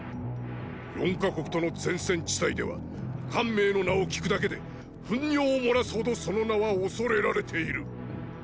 四か国との前線地帯では汗明の名を聞くだけで糞尿を漏らすほどその名は恐れられている。